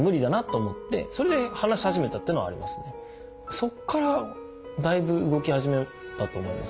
そこからだいぶ動き始めたと思います。